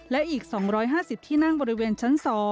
และอีก๒๕๐ที่นั่งบริเวณชั้น๒